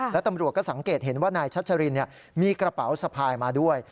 และตำรวจก็สังเกตเห็นว่านายชัชรินมีกระเป๋าสะพายมาด้วย